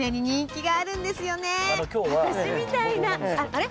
あれ？